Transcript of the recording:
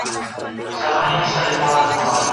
د ارغنداب سیند د دوام لپاره عامه همکاري ضروري ده.